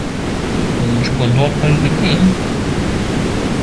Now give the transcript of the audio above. Hûn ji gundan hez dikin?